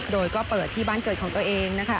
โดยก็เปิดที่บ้านเกิดของตัวเองนะคะ